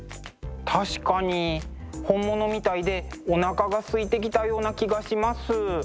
確かに本物みたいでおなかがすいてきたような気がします。